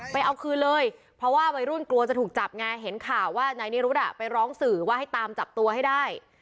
เอาคืนเลยเพราะว่าวัยรุ่นกลัวจะถูกจับไงเห็นข่าวว่านายนิรุธไปร้องสื่อว่าให้ตามจับตัวให้ได้